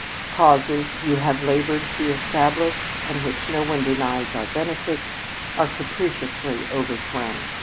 Causes you have labored to establish, and which no one denies are benefits, are capriciously overthrown.